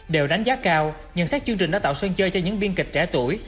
đều đánh giá cao nhận xét chương trình đã tạo sơn chơi cho những biên kịch trẻ tuổi